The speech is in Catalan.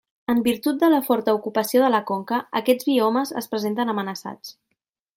En virtut de la forta ocupació de la conca, aquests biomes es presenten amenaçats.